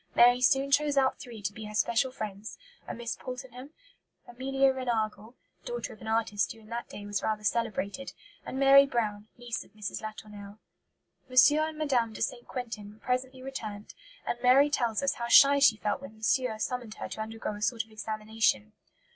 Mary soon chose out three to be her special friends; a Miss Poultenham, Amelia Reinagle (daughter of an artist who in that day was rather celebrated), and Mary Brown niece of Mrs. Latournelle. M. and Mme. de St. Quentin presently returned, and Mary tells us how shy she felt when "Monsieur" summoned her to undergo a sort of examination.